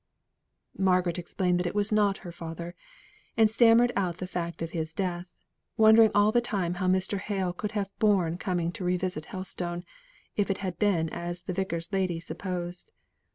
Margaret explained that it was not her father, and stammered out the fact of his death; wondering all the time how Mr. Hale could have borne coming to revisit Helstone, if it had been as the Vicar's lady supposed.